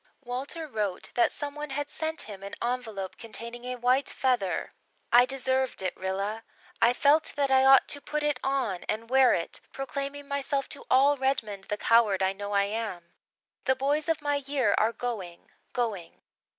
Walter wrote that some one had sent him an envelope containing a white feather. "I deserved it, Rilla. I felt that I ought to put it on and wear it proclaiming myself to all Redmond the coward I know I am. The boys of my year are going going.